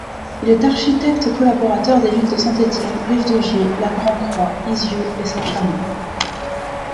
Il est architecte collaborateur des villes de Saint-Étienne, Rive-de-Gier, La Grand-Croix, Izieux et Saint-Chamond.